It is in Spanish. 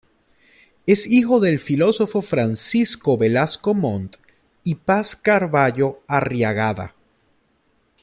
Es hijo del filósofo Francisco Velasco Montt y Paz Carvallo Arriagada.